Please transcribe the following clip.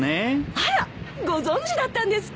あらご存じだったんですか？